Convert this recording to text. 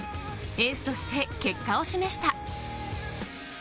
エースとして結果を示した。